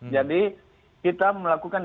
jadi kita melakukan